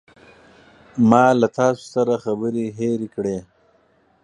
ما له تاسو سره خبرې هیرې کړې.